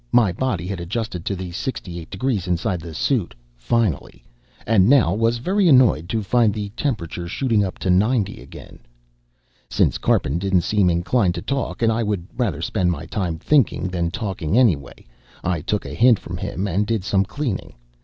My body had adjusted to the sixty eight degrees inside the suit, finally, and now was very annoyed to find the temperature shooting up to ninety again. Since Karpin didn't seem inclined to talk, and I would rather spend my time thinking than talking anyway, I took a hint from him and did some cleaning.